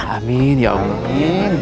amin ya allah